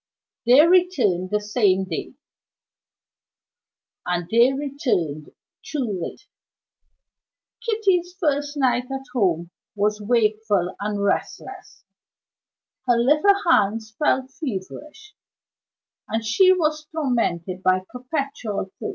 They returned the same day and they returned too late. Kitty's first night at home was wakeful and restless; her little hands felt feverish, and she was tormented by perpetual thirst.